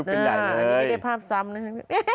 ไม่ได้พราบซ้ำ